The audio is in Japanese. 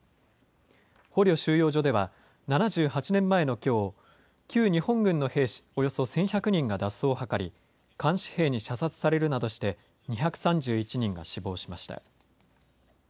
捕虜収容所では、７８年前のきょう、旧日本軍の兵士およそ１１００人が脱走を図り、監視兵に射殺されるなどして２３１人が死亡しました。